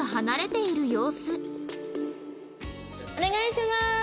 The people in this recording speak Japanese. お願いします！